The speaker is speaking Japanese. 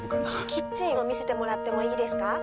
キッチンを見せてもらってもいいですか？